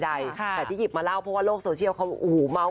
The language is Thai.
แต่ที่หยิบมาเล่าเพราะว่าโลกโซเชียลเขาโอ้โหเมาส